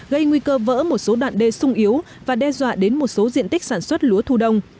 gây nguy cơ vỡ một số đoạn đê sung yếu và đe dọa đến một số diện tích sản xuất lúa thu đông